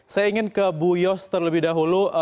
saya ingin ke bu yos terlebih dahulu